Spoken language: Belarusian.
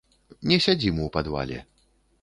Не сядзім у падвале.